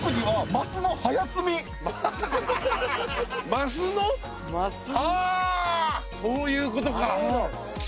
はぁそういうことか。